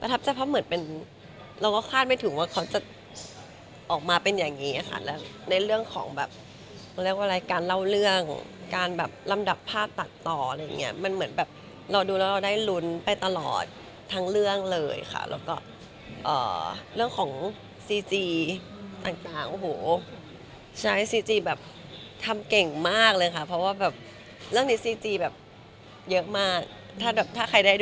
ถ้าเหมือนเป็นเราก็คาดไม่ถึงว่าเขาจะออกมาเป็นอย่างนี้ค่ะแล้วในเรื่องของแบบเขาเรียกว่าอะไรการเล่าเรื่องการแบบลำดับภาพตัดต่ออะไรอย่างเงี้ยมันเหมือนแบบเราดูแล้วเราได้ลุ้นไปตลอดทั้งเรื่องเลยค่ะแล้วก็เรื่องของซีจีต่างโอ้โหใช้ซีจีแบบทำเก่งมากเลยค่ะเพราะว่าแบบเรื่องนี้ซีจีแบบเยอะมาก